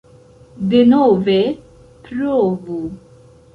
Denove provu